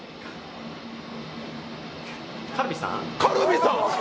カルビさん？